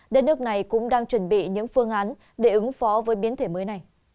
đất nước này cũng đang chuẩn bị những phương án để ứng phó với biến thể mới này